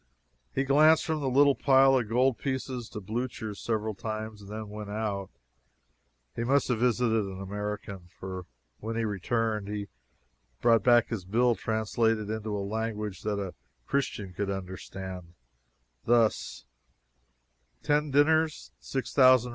He glanced from the little pile of gold pieces to Blucher several times and then went out. He must have visited an American, for when he returned, he brought back his bill translated into a language that a Christian could understand thus: 10 dinners, 6,000 reis, or